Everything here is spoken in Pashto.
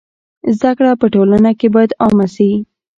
زده کړه په ټولنه کي بايد عامه سي.